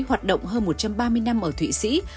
hoạt động hơn một trăm ba mươi năm ở thụy sĩ